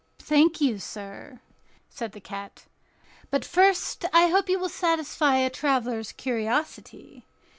"Thank you, sir," said the cat; "but first I hope you will satisfy a traveler's curiosity.